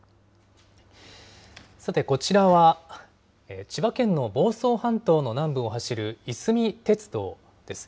さてこちらは、千葉県の房総半島の南部を走るいすみ鉄道です。